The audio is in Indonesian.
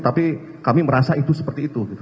tapi kami merasa itu seperti itu